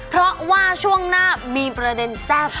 เพราะว่าช่วงหน้ามีประเด็นแซ่บ